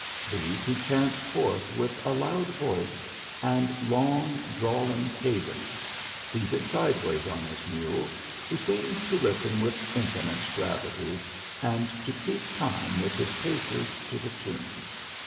These he chants forth with a loud voice, and long drawling cadence, seated sideways on his mule, who seems to listen with in finite gravity, and to keep time with his paces, to the tune.